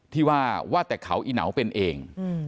ที่ว่าว่าแต่เขาอีเหนาเป็นเอง